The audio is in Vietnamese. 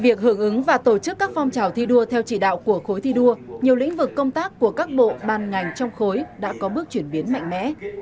việc hưởng ứng và tổ chức các phong trào thi đua theo chỉ đạo của khối thi đua nhiều lĩnh vực công tác của các bộ ban ngành trong khối đã có bước chuyển biến mạnh mẽ